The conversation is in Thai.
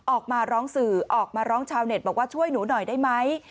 ออกมาร้องสื่อออกมาร้องชาวเน็ตบอกว่าช่วยหนูหน่อยได้ไหม